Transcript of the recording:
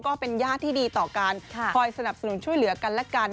ก็เป็นญาติที่ดีต่อกันคอยสนับสนุนช่วยเหลือกันและกัน